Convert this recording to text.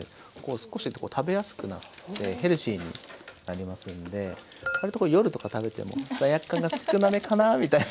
少し食べやすくなってヘルシーになりますんで割と夜とか食べても罪悪感が少なめかなみたいな。